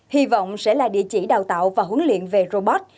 hy vọng sẽ là địa chỉ đào tạo và huấn luyện về robot